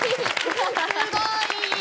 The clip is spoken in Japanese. すごい！